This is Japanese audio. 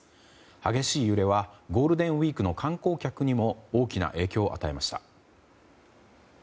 激しい揺れはゴールデンウィークの観光客にも大きな影響を与えました。